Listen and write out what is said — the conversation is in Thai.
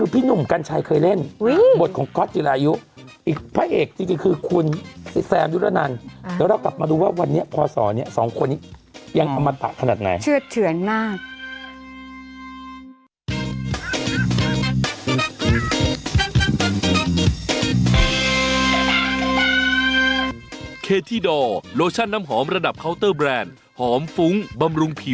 เอาตรงคนเพราะมันแรงมาตั้งแต่ต้นไง